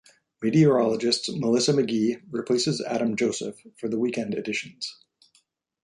Meteorologist Melissa Magee replaces Adam Joseph for the weekend editions.